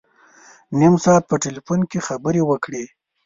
نیم ساعت په ټلفون کې خبري وکړې.